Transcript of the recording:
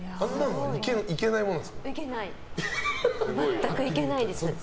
全くいけないです。